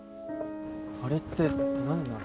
あれって何なの？